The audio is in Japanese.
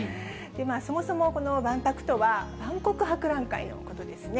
そもそもこの万博とは、万国博覧会のことですね。